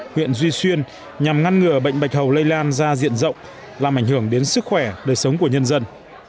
huyện duy xuyên nhằm ngăn ngừa bệnh bạch hầu lây lan ra diện rộng làm ảnh hưởng đến sức khỏe đời sống của nhân dân